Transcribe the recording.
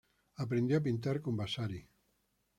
Aprendió a pintar con Vasari.